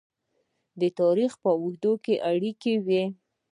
د تاریخ په اوږدو کې اړیکې وې.